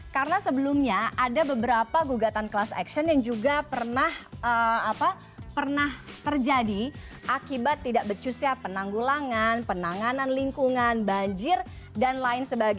karena sebelumnya ada beberapa gugatan class action yang juga pernah terjadi akibat tidak becus ya penanggulangan penanganan lingkungan banjir dan lain sebagainya